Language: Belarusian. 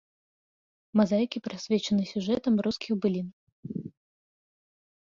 Мазаікі прысвечаны сюжэтам рускіх былін.